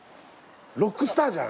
ロックスターじゃん。